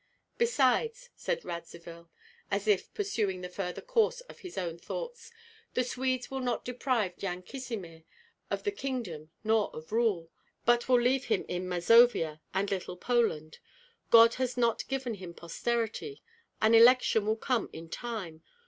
"Besides," said Radzivill, as if pursuing the further course of his own thoughts, "the Swedes will not deprive Yan Kazimir of the kingdom nor of rule, but will leave him in Mazovia and Little Poland. God has not given him posterity. An election will come in time.